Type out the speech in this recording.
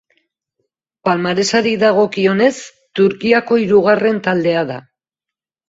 Palmaresari dagokionez Turkiako hirugarren taldea da.